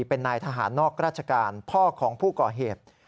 เป็นนายทหารนอกราชการพ่อของผู้ก่อเหตุ